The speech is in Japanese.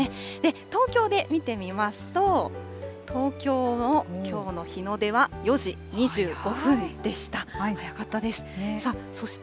東京で見てみますと、東京のきょうの日の出は４時２５分でした。